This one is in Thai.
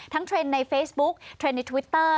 เทรนด์ในเฟซบุ๊กเทรนด์ในทวิตเตอร์